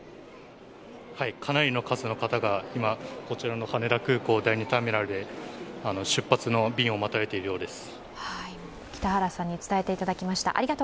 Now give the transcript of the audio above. はい、かなりの数の方が今こちらの羽田空港第２ターミナルで出発の便を待たれているようです。